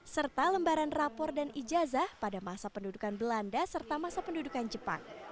serta lembaran rapor dan ijazah pada masa pendudukan belanda serta masa pendudukan jepang